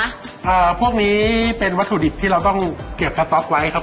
อ่าพวกนี้เป็นวัตถุดิบที่เราต้องเก็บสต๊อกไว้ครับ